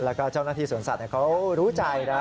แล้วก็เจ้าหน้าที่สวนสัตว์เขารู้ใจนะ